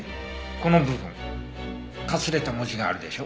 この部分かすれた文字があるでしょ？